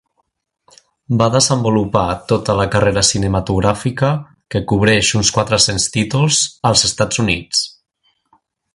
Va desenvolupar tota la carrera cinematogràfica, que cobreix uns quatre-cents títols, als Estats Units.